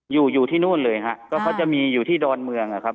อยู่ที่นู่นเลยฮะก็เขาจะมีอยู่ที่ดอนเมืองอะครับ